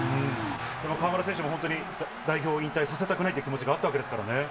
河村選手も本当に、代表引退させたくないっていう気持ちがあったわけですからね。